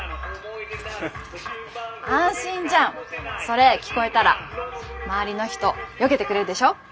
安心じゃんそれ聞こえたら周りの人よけてくれるでしょ。